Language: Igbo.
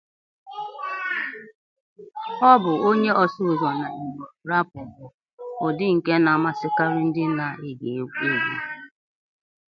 Ọ bụ onye ọsụ ụzọ na Igbo rapụ, bụ ụdị nke na-amasịkarị ndị na-ege egwu.